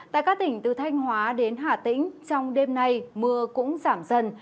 tại các tỉnh từ thanh hóa đến hà tĩnh trong đêm nay mưa cũng giảm dần